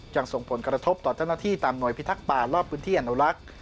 ส่งผลกระทบต่อเจ้าหน้าที่ตามหน่วยพิทักษ์ป่ารอบพื้นที่อนุรักษ์